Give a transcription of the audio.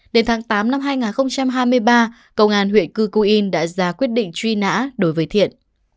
đến tháng tám năm hai nghìn hai mươi ba công an huyện cư cù yên đã ra quyết định truy nã đối với thiện